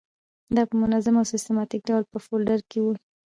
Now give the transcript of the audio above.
دا په منظم او سیستماتیک ډول په فولډر کې وي.